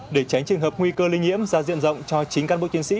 để tránh trường hợp nguy cơ lây nhiễm ra diện rộng cho chính cán bộ chiến sĩ